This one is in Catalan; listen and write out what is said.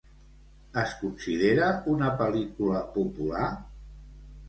Es considera una pel·lícula popular?